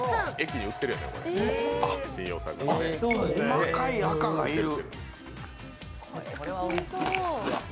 細かい紅がいる！